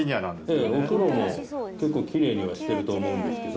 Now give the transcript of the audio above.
えぇお風呂も結構きれいにはしてると思うんですけど。